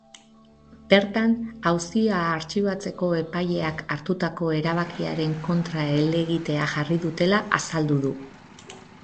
Bertan, auzia artxibatzeko epaileak hartutako erabakiaren kontra helegitea jarri dutela azaldu du.